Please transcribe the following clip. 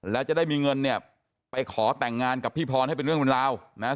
แล้วจะได้มีเงินเนี่ยไปขอแต่งงานกับพี่พรให้เป็นเรื่องเป็นราวนะฮะ